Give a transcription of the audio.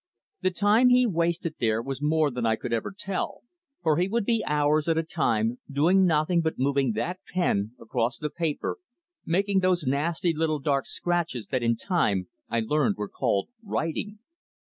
The time he wasted there was more than I could ever tell, for he would be hours at a time doing nothing but moving that pen across the paper, making those nasty little dark scratches that in time I learned were called writing.